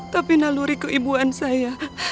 tapi laluri keibuan saya